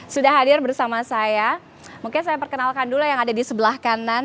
sudah hadir bersama saya mungkin saya perkenalkan dulu yang ada di sebelah kanan